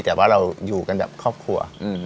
แต่ว่าเราอยู่กันแบบครอบครัว